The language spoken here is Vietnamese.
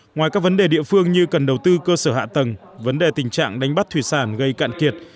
ngoài các vấn đề địa phương như cần đầu tư cơ sở hạ tầng vấn đề tình trạng đánh bắt thủy sản gây cạn kiệt